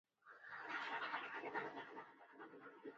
د اک څلوراویا په نوم سپکه وسله نړۍ ته پرېښوده.